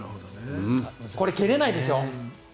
これ、蹴れないですよ。